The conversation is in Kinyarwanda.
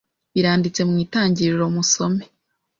Biranditse mu itangiriro musome